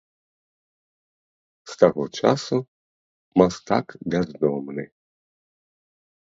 З таго часу мастак бяздомны.